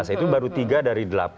itu baru tiga dari delapan